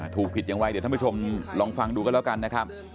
ถูกผิดอย่างไรเดี๋ยวท่านผู้ชมลองฟังดูกันแล้วกันนะครับ